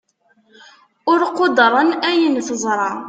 ur quddren ayen teẓṛa